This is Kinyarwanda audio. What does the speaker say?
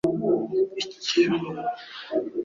Icyo Munyanezyashakaga rwose ni gitari nshya.